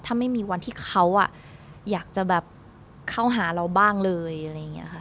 ถ้าไม่มีวันที่เขาอยากจะแบบเข้าหาเราบ้างเลยอะไรอย่างนี้ค่ะ